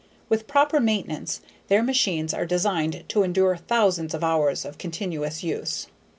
With proper maintenance their machines are designed to endure thousands of hours of continuous use.